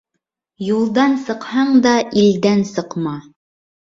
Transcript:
Юлдан сыҡһаң да илдән сыҡма.